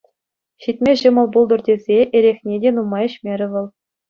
Ҫитме ҫӑмӑл пултӑр тесе эрехне те нумай ӗҫмерӗ вӑл.